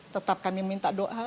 tetap kami minta doa